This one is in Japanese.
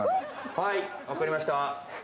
はい、分かりました。